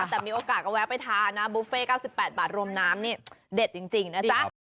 แต่มีโอกาสก็แวะไปทานนะบุฟเฟ่๙๘บาทรวมน้ำนี่เด็ดจริงนะจ๊ะ